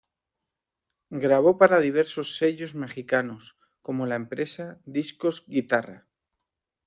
Grabó para diversos sellos mexicanos como la empresa Discos Guitarra.